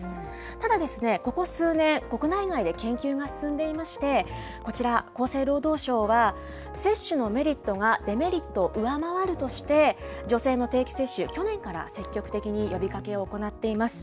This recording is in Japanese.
ただですね、ここ数年、国内外で研究が進んでいまして、こちら、厚生労働省は、接種のメリットがデメリットを上回るとして、女性の定期接種、去年から積極的に呼びかけを行っています。